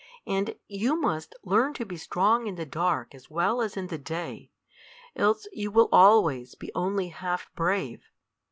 And you must learn to be strong in the dark as well as in the day, else you will always be only half brave.